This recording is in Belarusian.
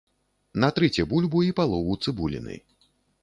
Натрыце бульбу і палову цыбуліны.